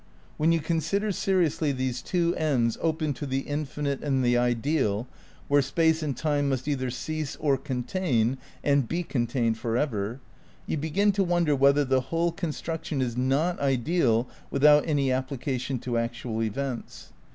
When you consider seriously these two ends open to the infinite and the ideal, where space and time must either cease or con tain and be contained for ever, you begin to wonder whether the whole construction is not ideal without any application to actual events.